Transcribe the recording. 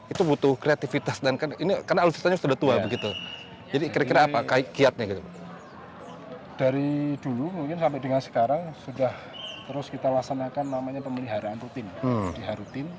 intinya di pemeliharaan pemeliharaannya harus di poin dengan standarnya gitu ya